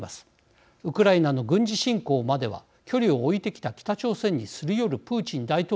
ウクライナの軍事侵攻までは距離を置いてきた北朝鮮にすり寄るプーチン大統領